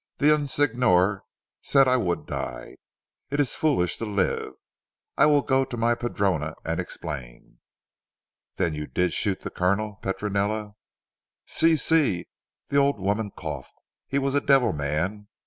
The young Signor said I would die. It is foolish to live. I will go to my Padrona and explain." "Then you did shoot the Colonel, Petronella?" "Si! Si!" the old woman coughed, "he was a devil man.